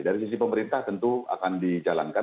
dari sisi pemerintah tentu akan dijalankan